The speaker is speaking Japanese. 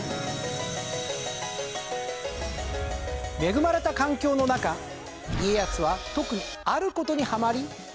恵まれた環境の中家康は特にある事にハマり熱中しました。